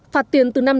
phạt tiền từ năm đồng